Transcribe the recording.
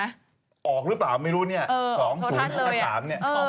หรือว่าอย่างไร